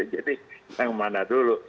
jadi yang mana dulu